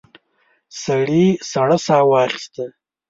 سړي سړه ساه واخيسته.